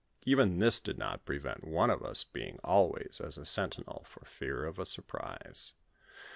Even this did not prevent one of us being always as a sentinel for fear of a surprise.